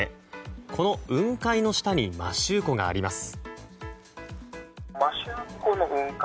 この雲海の下に摩周湖があります。